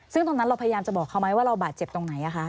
ซึ่งตอนนั้นเราพยายามจะบอกเขาไหมว่าเราบาดเจ็บตรงไหน